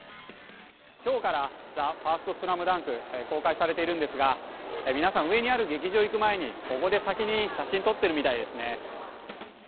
今日から「ＴＨＥＦＩＲＳＴＳＬＡＭＤＵＮＫ」公開されているんですが皆さん上にある劇場に行く前に、ここで先に写真を撮ってるみたいですね。